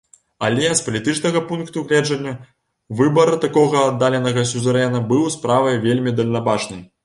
Але, з палітычнага пункта гледжання, выбар такога аддаленага сюзерэна быў справай вельмі дальнабачнай.